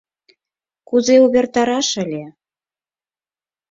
Кузе увертараш ыле?